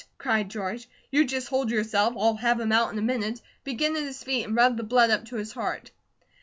cried George. "You just hold yourself. I'll have him out in a minute. Begin at his feet and rub the blood up to his heart."